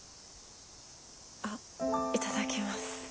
あっいただきます。